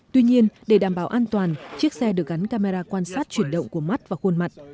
tuy nhiên để đảm bảo an toàn chiếc xe được gắn camera quan sát chuyển động của mắt và khuôn mặt